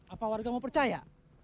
apa warga mau percaya